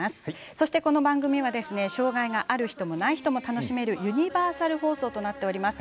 そして、この番組では障がいがある人もない人も楽しめるユニバーサル放送となっております。